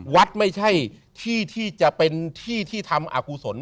วัดไม่ใช่ที่ที่จะเป็นที่ที่ทำอากุศล